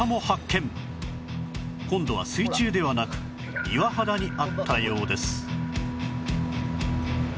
今度は水中ではなく岩肌にあったようです